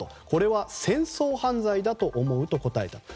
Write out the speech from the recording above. これは戦争犯罪だと思うと答えた。